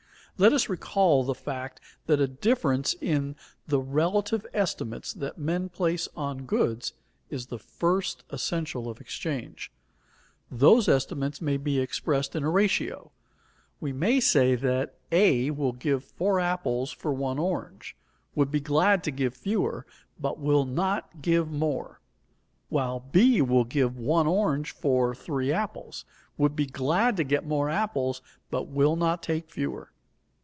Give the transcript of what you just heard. _ Let us recall the fact that a difference in the relative estimates that men place on goods is the first essential of exchange. Those estimates may be expressed in a ratio; we may say that A will give four apples for one orange, would be glad to give fewer, but will not give more; while B will give one orange for three apples, would be glad to get more apples, but will not take fewer.